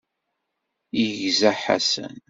Yegza Ḥasan.